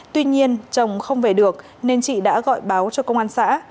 tuy nhiên chồng không về được nên chị đã gọi báo cho công an xã